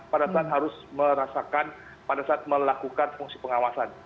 pada saat harus merasakan pada saat melakukan fungsi pengawasan